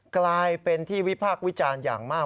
กลายเป็นที่วิพากษ์วิจารณ์อย่างมาก